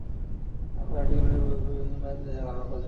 আমিও আর্ট গ্যালারির একটি স্তম্ভের পেছনে নিজেকে আড়াল করার চেষ্টা করলাম।